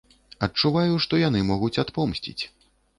Адчуваю, што яны могуць адпомсціць.